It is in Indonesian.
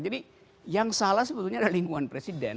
jadi yang salah sebetulnya adalah lingkungan presiden